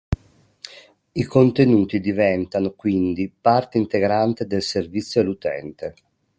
I contenuti diventano quindi parte integrante del servizio all'utente.